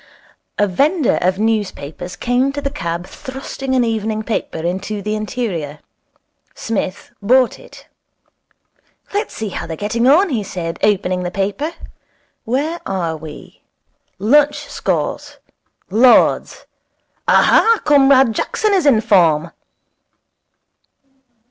A vendor of newspapers came to the cab thrusting an evening paper into the interior. Psmith bought it. 'Let's see how they're getting on,' he said, opening the paper. 'Where are we? Lunch scores. Lord's. Aha! Comrade Jackson is in form.'